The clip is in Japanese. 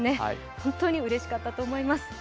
本当にうれしかったと思います。